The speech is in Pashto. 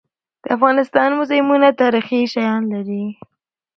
د افغانستان موزیمونه تاریخي شیان لري.